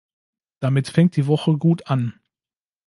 Damit fängt die Woche gut an.